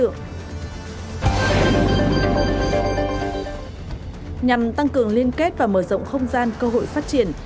nhằm tăng cường liên kết và mở rộng không gian cơ hội phát triển